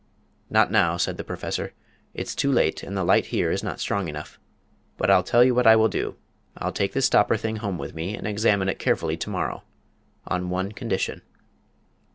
"Not now," said the Professor; "it's too late, and the light here is not strong enough. But I'll tell you what I will do. I'll take this stopper thing home with me, and examine it carefully to morrow on one condition."